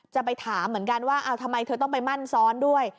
จะไปถามเหมือนกันว่าทำไมเธอต้องไปมั่นซ้อนด้วย